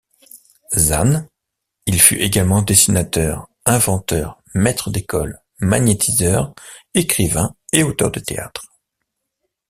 Zanne, il fut également dessinateur, inventeur, maître d'école, magnétiseur, écrivain et auteur de théâtre.